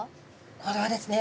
これはですね